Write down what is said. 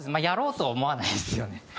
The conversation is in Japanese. やろうと思わないですよね。